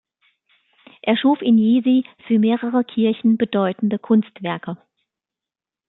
Er schuf in Jesi für mehrere Kirchen bedeutende Kunstwerke.